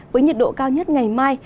với nhiệt độ cao nhất ngày mai